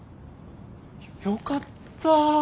よかった。